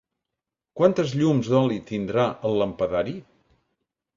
Quantes llums d'oli tindrà el lampadari?